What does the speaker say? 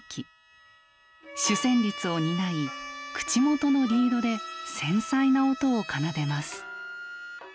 主旋律を担い口元のリードで繊細な音を奏でます。